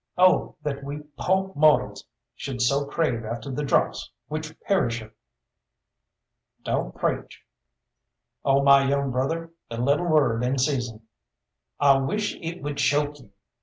Oh that we poh mortals should so crave after the dross which perisheth!" "Don't preach!" "Oh, my young brother, the little word in season " "I wish it would choke you.